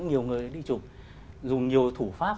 nhiều người đi chụp dùng nhiều thủ pháp